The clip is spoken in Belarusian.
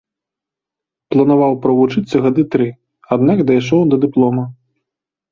Планаваў правучыцца гады тры, аднак дайшоў да дыплома.